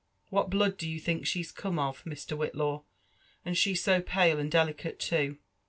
What blood do you think she^s come of, Mr. Whitlaw?— and she so pale and delicate too